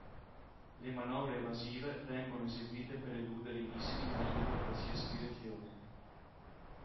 Le manovre evasive vengono eseguite per eludere i missili in arrivo da qualsiasi direzione.